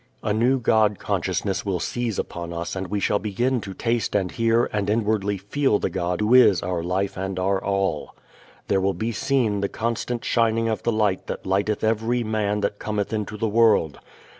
A new God consciousness will seize upon us and we shall begin to taste and hear and inwardly feel the God who is our life and our all. There will be seen the constant shining of the light that lighteth every man that cometh into the world.